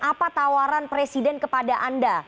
apa tawaran presiden kepada anda